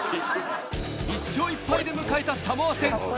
１勝１敗で迎えたサモア戦。